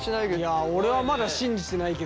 いや俺はまだ信じてないけどね。